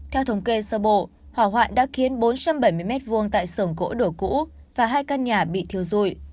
theo thống kê sơ bộ hỏa hoạn đã khiến bốn trăm bảy mươi m hai tại sưởng gỗ đổ cũ và hai căn nhà bị thiêu dụi